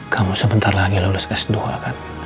kamu sebentar lagi lulus s dua kan